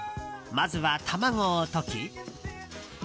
まずは卵を溶き。